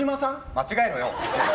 間違えろよ！